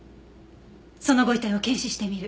そのご遺体を検視してみる。